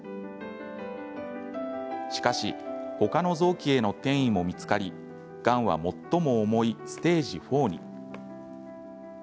しかし、他の臓器への転移も見つかりがんは最も重いステージ４に。